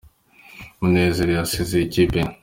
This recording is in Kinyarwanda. Munezero yasezeye ikipe ye